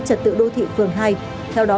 trật tựu đô thị phường hai theo đó